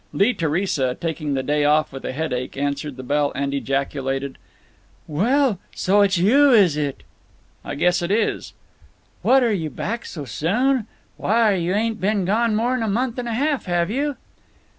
Lee Theresa, taking the day off with a headache, answered the bell, and ejaculated: "Well! So it's you, is it?" "I guess it is." "What, are you back so soon? Why, you ain't been gone more than a month and a half, have you?"